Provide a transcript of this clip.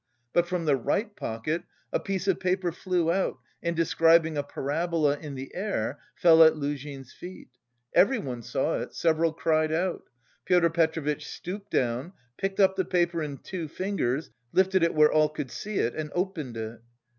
But from the right pocket a piece of paper flew out and describing a parabola in the air fell at Luzhin's feet. Everyone saw it, several cried out. Pyotr Petrovitch stooped down, picked up the paper in two fingers, lifted it where all could see it and opened it.